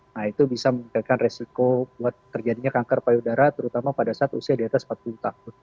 nah itu bisa memberikan resiko buat terjadinya kanker payudara terutama pada saat usia di atas empat puluh tahun